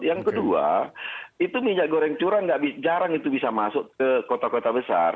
yang kedua itu minyak goreng curah jarang itu bisa masuk ke kota kota besar